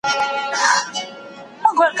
د اقتصادي پرمختيا اصلي لاملونه کوم دي؟